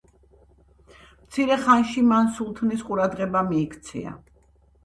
მცირე ხანში მან სულთნის ყურადღება მიიქცია.